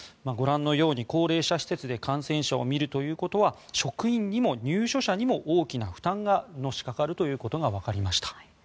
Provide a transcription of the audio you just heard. ご覧のように高齢者施設で感染者を見るということは職員にも入所者にも大きな負担がのしかかるということがわかりました。